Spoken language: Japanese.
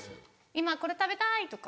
「今これ食べたい」とか。